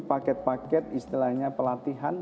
paket paket istilahnya pelatihan